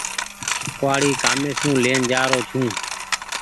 ڪوُوآڙي ڪآمي سون لين جآرو ڇون ۔